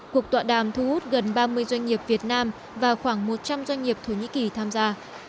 cuộc tọa đàm thu hút gần ba mươi doanh nghiệp việt nam và khoảng một trăm linh doanh nghiệp thổ nhĩ kỳ tham gia